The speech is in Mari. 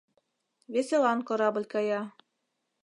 Веселан корабль кая